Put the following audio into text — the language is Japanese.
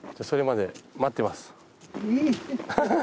それまで待ってます。